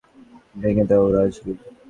ভেঙে দাও রাজবীর।